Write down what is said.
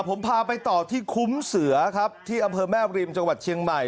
ผมพาไปต่อที่คุ้มเสือครับที่อำเภอแม่ริมจังหวัดเชียงใหม่